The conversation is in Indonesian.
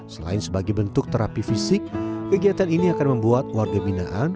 selain sebagai bentuk terapi fisik kegiatan ini akan membuat warga binaan